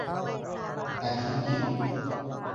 อธิกิตติ์